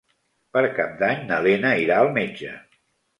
Per Cap d'Any na Lena irà al metge.